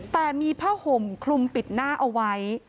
แต่มีผ้าห่มคลุมปิดหน้าเอาไว้